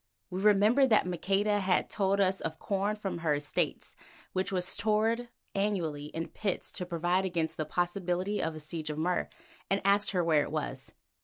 We remembered that Maqueda had told us of corn from her estates which was stored annually in pits to provide against the possibility of a siege of Mur, and asked her where it was.